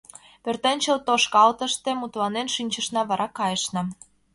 — Пӧртӧнчыл тошкалтыште мутланен шинчышна, вара кайышна.